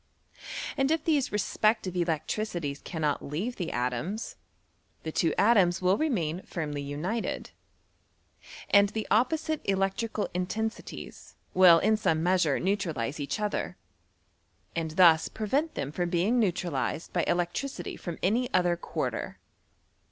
And if these respective electricities cannot leave the atoms, the two atoms will remain <firmly united, and the opposite electrical intensi ties will in some measure neutralize each other, and Ihus prevent them from being neutralized by elec tricity from any other quarter.